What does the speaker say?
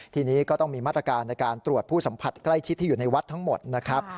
ทีนี้ก็ต้องมีมาตรการในการตรวจผู้สัมผัสใกล้ชิดที่อยู่ในวัดทั้งหมดนะครับ